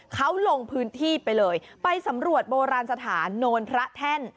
เขาลงพื้นที่ไปเลยไปสำรวจโบราณสถานโนนพระแท่น